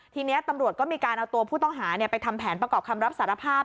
ทีนี้ตำรวจก็มีการเอาตัวผู้ต้องหาไปทำแผนประกอบคำรับสารภาพ